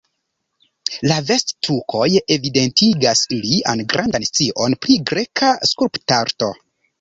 La vest-tukoj evidentigas lian grandan scion pri greka skulptarto.